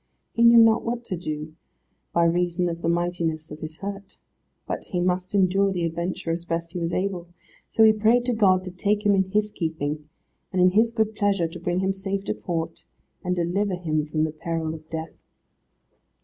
He knew not what to do, by reason of the mightiness of his hurt. But he must endure the adventure as best he was able; so he prayed to God to take him in His keeping, and in His good pleasure to bring him safe to port, and deliver him from the peril of death.